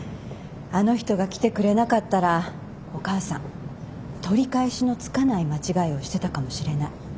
あの人が来てくれなかったらお母さん取り返しのつかない間違いをしてたかもしれない。